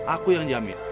aku yang jamin